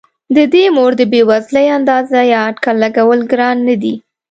د دې مور د بې وزلۍ اندازه یا اټکل لګول ګران نه دي.